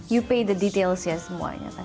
you pay the details ya semuanya